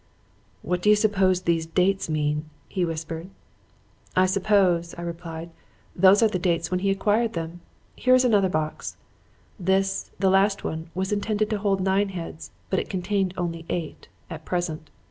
"'What do you suppose these dates mean?' he whispered. "'I suppose,' I replied, 'those are the dates on which he acquired them. Here is another box.' This, the last one, was intended to hold nine heads, but it contained only eight at present.